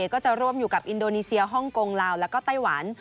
ก็จะร่วมอยู่กับอินโดนีเซียฮ่องกงลาวแล้วก็ไต้หวัน